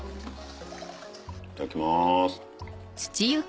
いただきます。